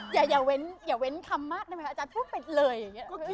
อย่าเว้นคำมากได้ไหมอาจารย์พูดไปเลยอย่างนี้